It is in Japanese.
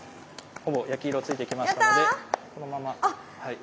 ほぼ焼き色ついてきましたのでこのままはい。